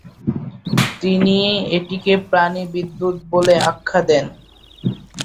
তিনি এটিকে প্রাণী বিদ্যুত বলে আখ্যা দেন।